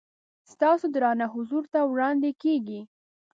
ستاسو درانه حضور ته وړاندې کېږي.